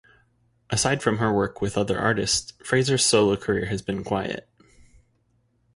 Aside from her work with other artists, Fraser's solo career has been quiet.